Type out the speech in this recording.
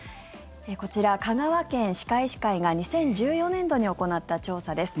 こちら、香川県歯科医師会が２０１４年度に行った調査です。